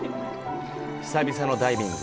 久々のダイビング。